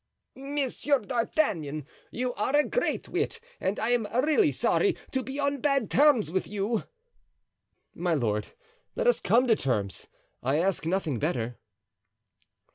"Monsieur d'Artagnan, you are a great wit and I am really sorry to be on bad terms with you." "My lord, let us come to terms; I ask nothing better."